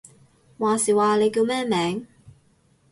話時話，你叫咩名？